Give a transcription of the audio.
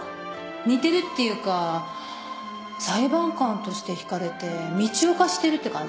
似てるっていうか裁判官としてひかれてみちお化してるって感じ。